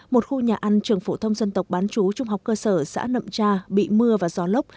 một khu nhà ăn trường phổ thông dân tộc bán chú trung học cơ sở xã nậm tra bị mưa và gió lốc